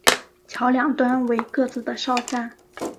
桥两端为各自的哨站。